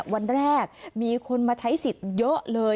วันแรกมีคนมาใช้สิทธิ์เยอะเลย